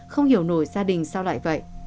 không hiểu nổi gia đình sao lại vậy